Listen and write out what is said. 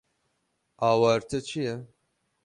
Awarte çi ye?